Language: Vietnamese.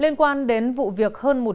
ngoại truyền thông tin của hội đồng nhân dân